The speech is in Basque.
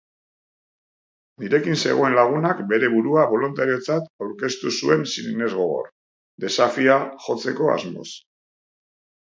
Nirekin zegoen lagunak bere burua boluntariotzat aurkeztu zuen sinesgogor, desafioa jotzeko asmoz.